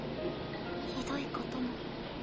ひどいことも。